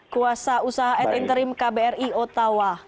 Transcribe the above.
kuasa usaha ad interim kbri ottawa